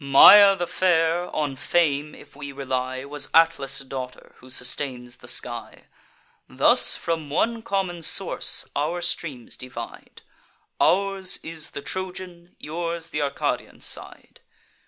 Maia the fair, on fame if we rely, Was Atlas' daughter, who sustains the sky. Thus from one common source our streams divide; Ours is the Trojan, yours th' Arcadian side.